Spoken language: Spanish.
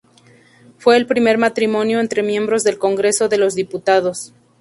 Fue el primer matrimonio entre miembros del Congreso de los Diputados.